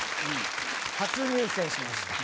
初入選しました。